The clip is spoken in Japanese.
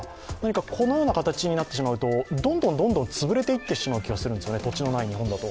このような形になってしまうとどんどんつぶれていってしまう気がするんですよね、土地のない日本だと。